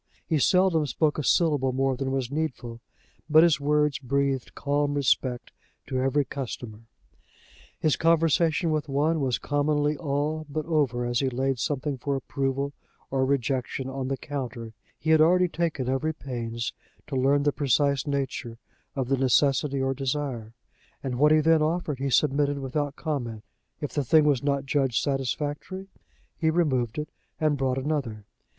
He seldom spoke a syllable more than was needful, but his words breathed calm respect to every customer. His conversation with one was commonly all but over as he laid something for approval or rejection on the counter: he had already taken every pains to learn the precise nature of the necessity or desire; and what he then offered he submitted without comment; if the thing was not judged satisfactory, he removed it and brought another.